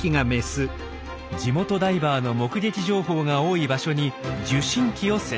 地元ダイバーの目撃情報が多い場所に受信器を設置。